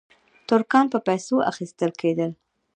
ترکان په پیسو اخیستل کېدل.